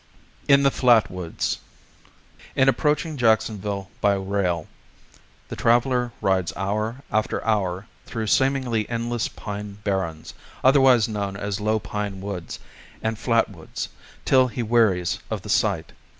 IN THE FLAT WOODS. In approaching Jacksonville by rail, the traveler rides hour after hour through seemingly endless pine barrens, otherwise known as low pine woods and flat woods, till he wearies of the sight.